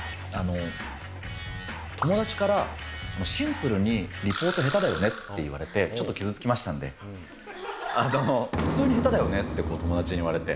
友達からシンプルに、リポート下手だよねって言われて、ちょっと傷つきましたんで、普通に下手だよねって、友達に言われて。